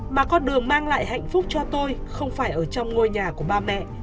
mà con đường mang lại hạnh phúc cho tôi không phải ở trong ngôi nhà của ba mẹ